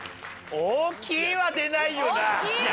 「大きい」は出ない。